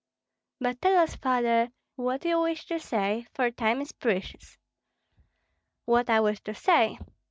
"But tell us, Father, what you wish to say, for time is precious." "What I wish to say?